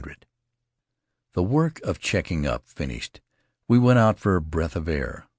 3600 The work of checking up finished, we went out for a breath of air.